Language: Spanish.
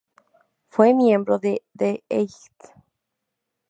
Fue miembro de The Eight.